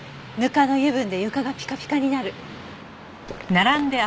ぬかの油分で床がピカピカになる。